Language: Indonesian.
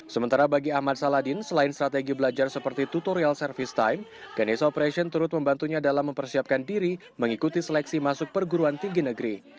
sementara bagi ahmad salahdin selain strategi belajar seperti tutorial service time ganesha operation turut membantunya dalam mempersiapkan diri mengikuti seleksi masuk perguruan tinggi negeri